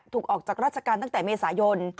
ออกจากราชการตั้งแต่เมษายน